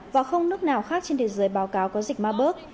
và không nước nào khác trên thế giới báo cáo có dịch maburg